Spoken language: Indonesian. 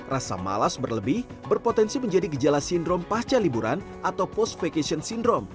rasa malas berlebih berpotensi menjadi gejala sindrom pasca liburan atau post faycation syndrome